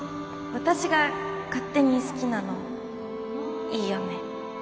私が勝手に好きなのはいいよね？